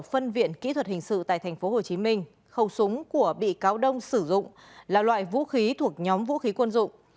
phân viện kỹ thuật hình sự tại tp hcm khẩu súng của bị cáo đông sử dụng là loại vũ khí thuộc nhóm vũ khí quân dụng